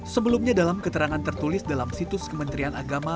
sebelumnya dalam keterangan tertulis dalam situs kementerian agama